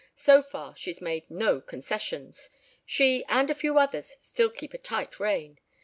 So far she's made no concessions. She and a few others still keep a tight rein.